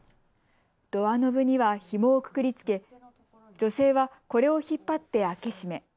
ドアノブにはひもをくくりつけ女性はこれを引っ張って開け閉め。